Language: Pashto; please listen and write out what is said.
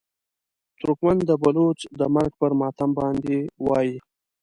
ترکمن د بلوڅ د مرګ پر ماتم باندې وایي.